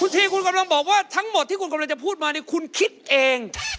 คุณทีร์ผมกำลังบอกว่าทั้งหมดที่ผมจะพูดกันมาคือคุณคิดเอง